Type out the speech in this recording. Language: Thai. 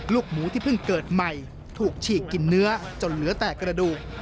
ลูกหมูที่เพิ่งเกิดใหม่ถูกฉีกกินเนื้อจนเหลือแต่กระดูก